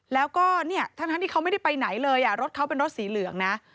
แล้วก็เนี่ยทั้งที่เขาไม่ได้ไปไหนเลยรถเขาเป็นรถสีเหลืองนะ